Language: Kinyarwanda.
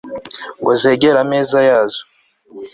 ngo zegere ameza yazo